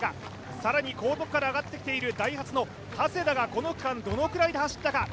さらに後続から上がってきているダイハツの加世田がこの区間どのくらいで走ったか。